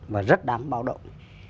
và rất đáng báo động